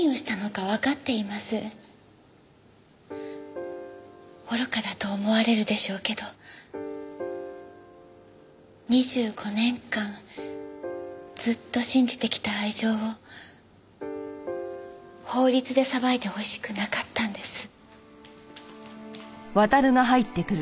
愚かだと思われるでしょうけど２５年間ずっと信じてきた愛情を法律で裁いてほしくなかったんです。